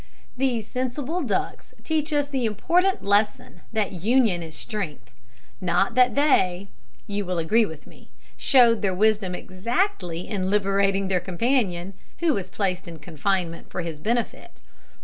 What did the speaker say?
These sensible ducks teach us the important lesson that union is strength. Not that they, you will agree with me, showed their wisdom exactly in liberating their companion, who was placed in confinement for his benefit.